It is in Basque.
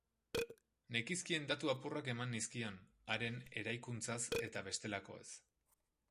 Nekizkien datu apurrak eman nizkion, haren erai kuntzaz eta bestelakoez.